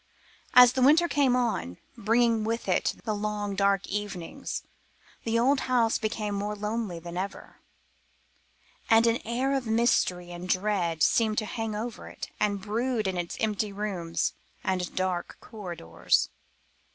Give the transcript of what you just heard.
As the winter came on, bringing with it the long dark evenings, the old house became more lonely than ever, and an air of mystery and dread seemed to hang over it and brood in its empty rooms and dark corridors.